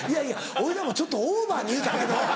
俺らもちょっとオーバーに言うたけど。